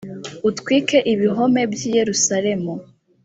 utwike ibihome by i yerusalemu